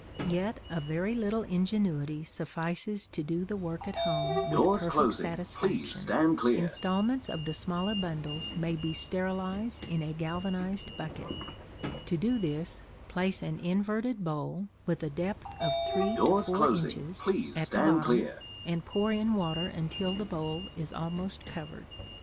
Yet a very little ingenuity suffices to do the work at home with perfect satisfaction. Installments of the smaller bundles may be sterilized in a galvanized bucket. To do this place an inverted bowl, with a depth of three to four inches, at the bottom, and pour in water until the bowl is almost covered.